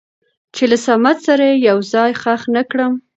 چې له صمد سره يې يو ځاى خښ نه کړم.